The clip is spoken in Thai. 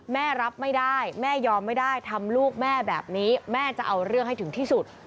รับไม่ได้แม่ยอมไม่ได้ทำลูกแม่แบบนี้แม่จะเอาเรื่องให้ถึงที่สุด